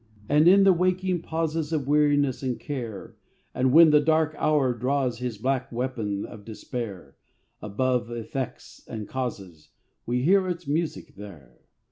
And in the waking pauses Of weariness and care, And when the dark hour draws his Black weapon of despair, Above effects and causes We hear its music there.